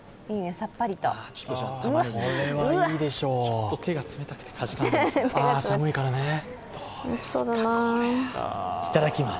ちょっと手が冷たくてかじかんでます。